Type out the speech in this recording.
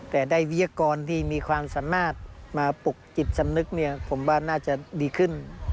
แต่ได้วิทยากรที่มีความสามารถมาปลุกจิตสำนึกเนี่ยผมว่าน่าจะดีขึ้น